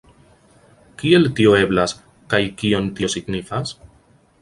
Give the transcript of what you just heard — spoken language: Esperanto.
Kiel tio eblas, kaj kion tio signifas?